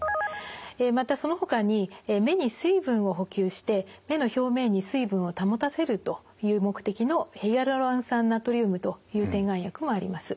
またそのほかに目に水分を補給して目の表面に水分を保たせるという目的のヒアルロン酸ナトリウムという点眼薬もあります。